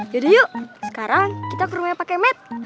yaudah yuk sekarang kita ke rumahnya pake med